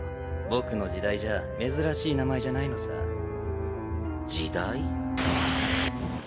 僕の時代じゃ珍しい名前じゃないのさ。時代？